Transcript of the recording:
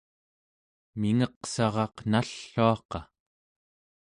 mingeqsaraq nalluaqa